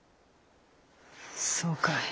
そうかい。